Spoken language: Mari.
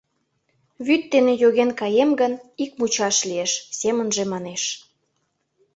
«Вӱд дене йоген каем гын, ик мучаш лиеш», — семынже манеш.